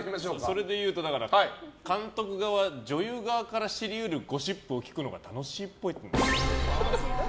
それで言うと監督側女優側から知り得るゴシップを聞くのが楽しいっぽい。